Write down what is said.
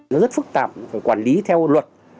nó rất phức tạp phải quản lý theo luật